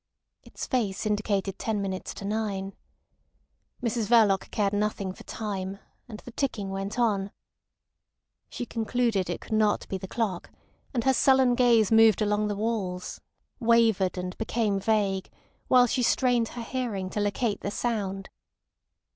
Its face indicated ten minutes to nine. Mrs Verloc cared nothing for time, and the ticking went on. She concluded it could not be the clock, and her sullen gaze moved along the walls, wavered, and became vague, while she strained her hearing to locate the sound.